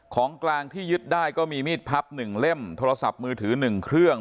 ของกลางที่ยึดได้ก็มีมีดพับ๑เล่มโทรศัพท์มือถือ๑เครื่อง